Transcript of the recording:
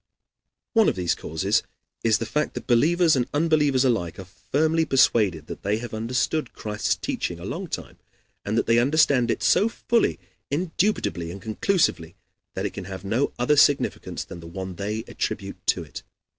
One of these causes is the fact that believers and unbelievers alike are firmly persuaded that they have understood Christ's teaching a long time, and that they understand it so fully, indubitably, and conclusively that it can have no other significance than the one they attribute to it.